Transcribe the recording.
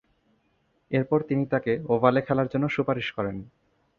এরপর তিনি তাকে ওভালে খেলার জন্যে সুপারিশ করেন।